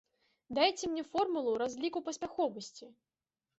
Дайце мне формулу разліку паспяховасці!